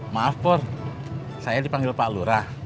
maaf pur saya dipanggil pak lura